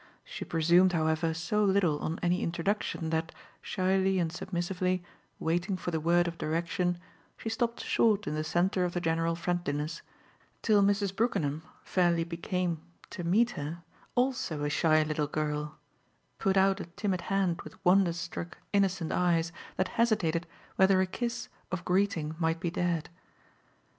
She presumed, however, so little on any introduction that, shyly and submissively, waiting for the word of direction, she stopped short in the centre of the general friendliness till Mrs. Brookenham fairly became, to meet her, also a shy little girl put out a timid hand with wonder struck innocent eyes that hesitated whether a kiss of greeting might be dared.